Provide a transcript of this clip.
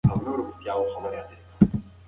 نازیه به د بلې میاشتې پیسې په خپل کور مصرف کړي.